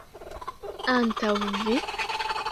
Antaŭ vi?